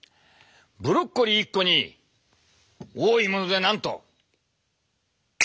ブロッコリー一個に多いものでなんと。